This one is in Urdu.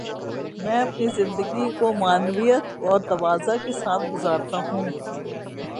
میں اپنی زندگی کو معنویت اور تواضع کے ساتھ گزارتا ہوں۔